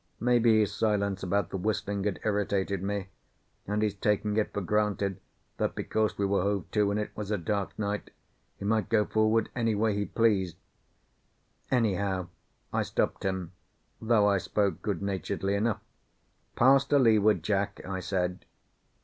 Maybe his silence about the whistling had irritated me, and his taking it for granted that because we were hove to and it was a dark night, he might go forward any way he pleased. Anyhow, I stopped him, though I spoke good naturedly enough. "Pass to leeward, Jack," I said.